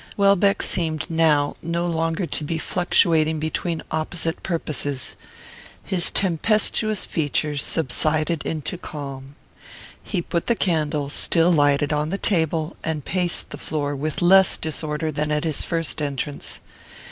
Welbeck seemed now no longer to be fluctuating between opposite purposes. His tempestuous features subsided into calm. He put the candle, still lighted, on the table, and paced the floor with less disorder than at his first entrance.